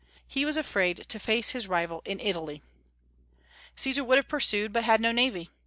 He was afraid to face his rival in Italy. Caesar would have pursued, but had no navy.